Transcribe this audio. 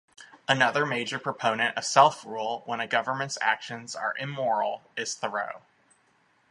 Another major proponent of self-rule when a government's actions are immoral is Thoreau.